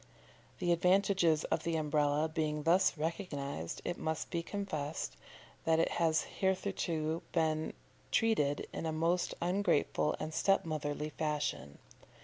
The advantages of the Umbrella being thus recognised, it must be confessed that it has hitherto been treated in a most ungrateful and step motherly fashion.